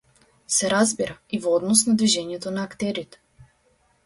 Се разбира, и во однос на движењето на актерите.